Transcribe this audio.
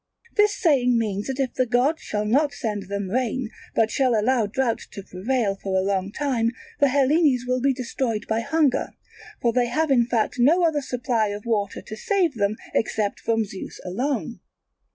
This saying means that if the god shall not send them rain, but shall allow drought to prevail for a long time, the Hellenes will be destroyed by hunger; for they have in fact no other supply of water to save them except from Zeus alone.